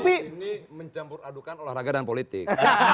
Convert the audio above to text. ini mencampur adukan olahraga dan politik